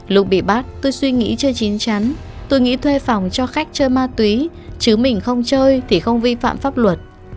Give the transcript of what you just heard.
lúc bị bắt tôi suy nghĩ chơi chín chắn tôi nghĩ thuê phòng cho khách chơi ma túy chứ mình không chơi thì không vi phạm pháp luật